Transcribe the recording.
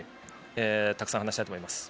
たくさん話したいと思います。